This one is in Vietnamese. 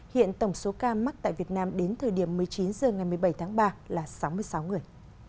hiện tổng số ca mắc tại việt nam đến thời điểm một mươi chín h ngày một mươi bảy tháng ba là sáu mươi sáu người